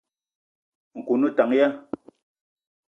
Nkou o ne tank ya ?